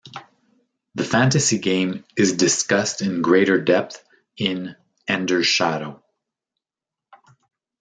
The Fantasy Game is discussed in greater depth in "Ender's Shadow".